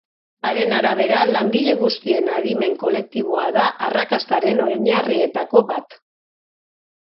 Haren arabera, langile guztien adimen kolektiboa da arrakastaren oinarrietako bat.